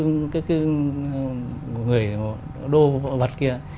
người đô vật kia